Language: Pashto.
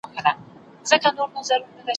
چي نه غضب د محتسب وي نه دُره د وحشت `